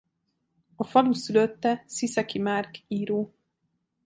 A falu szülötte Sziszeki Márk író.